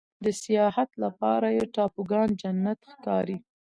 د سیاحت لپاره یې ټاپوګان جنت ښکاري.